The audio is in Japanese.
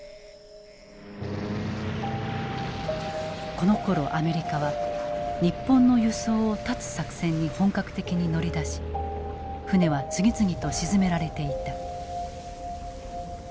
このころアメリカは日本の輸送を断つ作戦に本格的に乗り出し船は次々と沈められていた。